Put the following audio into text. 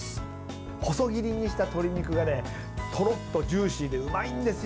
細切りにした鶏肉がとろっとジューシーでうまいんですよ。